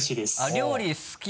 料理好き？